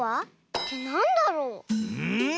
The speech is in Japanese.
ってなんだろう？